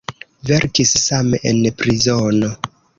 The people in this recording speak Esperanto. Verkis same en prizono.